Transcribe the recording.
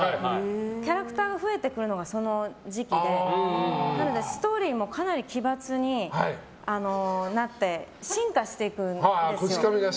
キャラクターが増えてくるのがその時期でなのでストーリーもかなり奇抜になって進化していくんですよ。